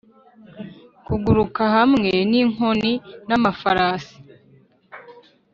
kuguruka hamwe n'inkoni, n'amafarasi